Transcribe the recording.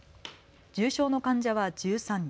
重症の患者は１３人。